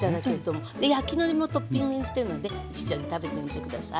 焼きのりもトッピングしてるので一緒に食べてみて下さい。